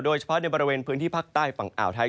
โดยเฉพาะในบริเวณพื้นที่ภาคใต้ฝั่งอ่าวไทย